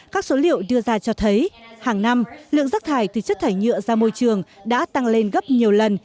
các số liệu đưa ra cho thấy hàng năm lượng rác thải từ chất thải nhựa ra môi trường đã tăng lên gấp nhiều lần